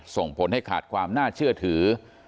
ส่งผลให้ขาดความน่าเชื่อถือ